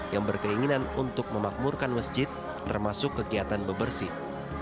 yang berkeinginan untuk memakmurkan masjid termasuk kegiatan bebersih